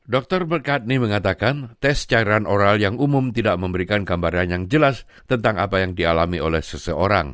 dr berkatni mengatakan tes cairan oral yang umum tidak memberikan gambaran yang jelas tentang apa yang dialami oleh seseorang